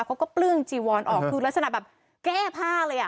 เปลื้องจีวอนออกคือลักษณะแบบแก้ผ้าเลยอ่ะ